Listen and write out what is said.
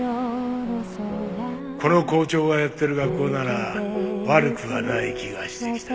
この校長がやってる学校なら悪くはない気がしてきた。